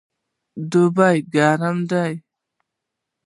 دوبی ګرم دی